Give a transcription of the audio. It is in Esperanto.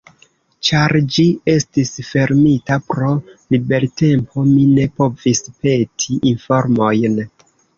Ĉar ĝi estis fermita pro libertempo, mi ne povis peti informojn.